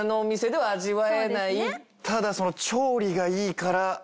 ただ調理がいいから。